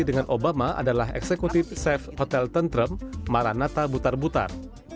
dengan obama adalah eksekutif safe hotel tentrem maranatha butar butar